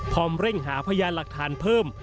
เร่งหาพยานหลักฐานเพิ่ม